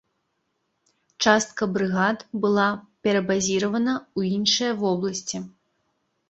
Частка брыгад была перабазіравана ў іншыя вобласці.